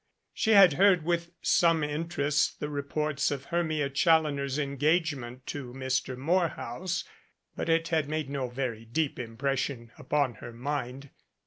She had heard with some interest the reports of Hermia Challoner's engagement to Mr. Morehouse, but it had made no very deep impression upon her mind.